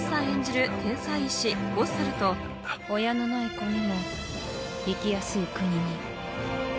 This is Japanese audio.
演じる天才医師ホッサルと親のない子にも生きやすい国に。